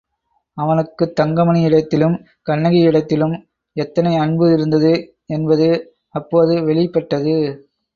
அவனுக்குத் தங்கமணியிடத்திலும், கண்ணகியிடத்திலும் எத்தனை அன்பு இருந்தது என்பது அப்போது வெளிப்பட்டது.